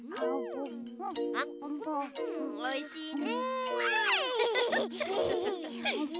おいしいね！